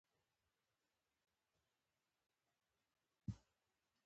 پر لمن ایښې د پاولو زړونه